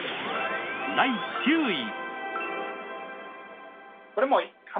第９位。